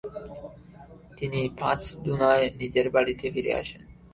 তিনি পাঁচদোনায় নিজের বাড়িতে ফিরে আসেন।